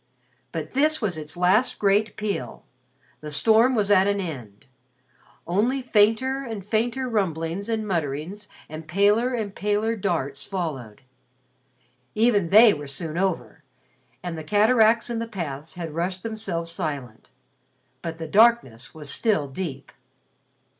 But this was its last great peal. The storm was at an end. Only fainter and fainter rumblings and mutterings and paler and paler darts followed. Even they were soon over, and the cataracts in the paths had rushed themselves silent. But the darkness was still deep.